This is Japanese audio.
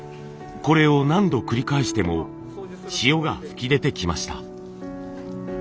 これを何度繰り返しても塩が噴き出てきました。